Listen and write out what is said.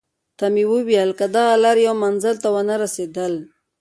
ته مې وویل: که دغه لار یو منزل ته ونه رسېدل.